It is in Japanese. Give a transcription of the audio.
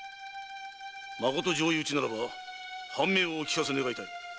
まこと上意討ちならば藩名をお聞かせ願いたい。